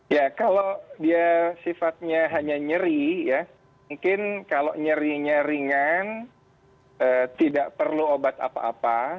ya kalau dia sifatnya hanya nyeri ya mungkin kalau nyerinya ringan tidak perlu obat apa apa